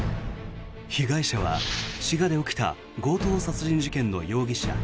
被害者は滋賀で起きた強盗殺人事件の容疑者。